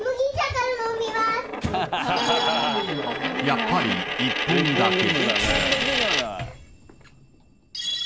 ［やっぱり１本だけ］